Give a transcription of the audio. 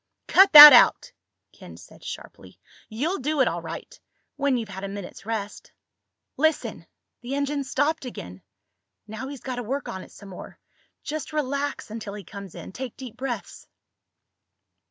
"Cut that out!" Ken said sharply. "You'll do it all right. When you've had a minute's rest. Listen! The engine's stopped again! Now he's got to work on it some more. Just relax until he comes in. Take deep breaths."